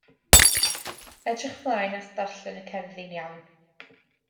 Edrych mlaen at ddarllen y cerddi'n iawn.